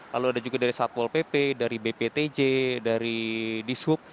lalu ada juga dari satpol pp dari bptj dari dishub